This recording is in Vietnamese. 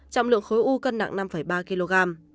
trọng lượng khối u cân nặng năm ba kg